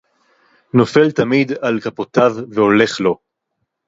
נופל תמיד על כפותיו והולך לו.